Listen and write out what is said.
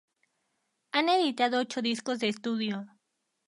Han editado ocho discos de estudio.